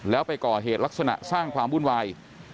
แล้วไปก่อเหตุลักษณะสร้างความวุ่นวาย